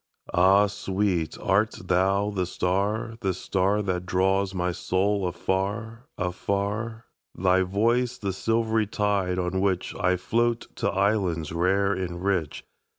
Ah, sweet, art thou the star, the starThat draws my soul afar, afar? Thy voice the silvery tide on whichI float to islands rare and rich?